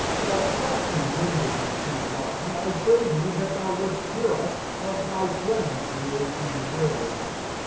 (4)But, not to hinder thee too long, I pray thee that thou wouldst hear us of thy clemency a few words.